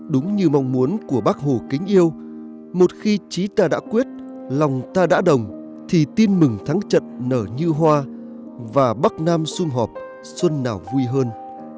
đúng như mong muốn của bác hồ kính yêu một khi trí ta đã quyết lòng ta đã đồng thì tin mừng thắng trận nở như hoa và bắc nam xung họp xuân nào vui hơn